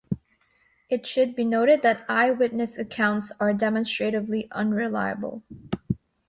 It should be noted that eye witness accounts are demonstrably unreliable.